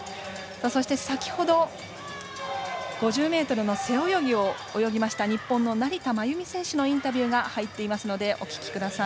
先ほど５０ｍの背泳ぎを泳いだ日本の成田真由美選手のインタビューが入っていますのでお聞きください。